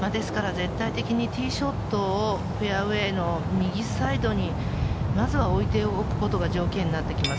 絶対的にティーショットをフェアウエーの右サイドにまずは置いておくことが条件になってきます。